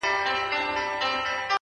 چي روږدي سوی له کوم وخته په گيلاس يمه!!